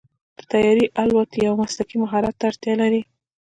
د طیارې الوت یو مسلکي مهارت ته اړتیا لري.